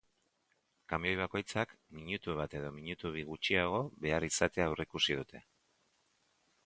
Kamioi bakoitzak minutu bat edo minutu bi gutxiago behar izatea aurreikusi dute.